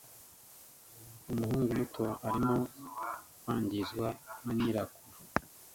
umuhungu muto arimo kwangizwa na nyirakuru